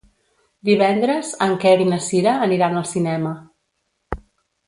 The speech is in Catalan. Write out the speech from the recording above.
Divendres en Quer i na Cira aniran al cinema.